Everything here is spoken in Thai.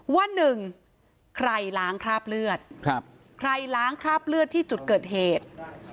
ว่าหนึ่งใครล้างคราบเลือดใครล้างคราบเลือดที่จุดเกิดเหตุ